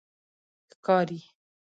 ښکاری